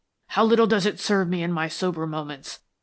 how little does it serve me in my sober moments?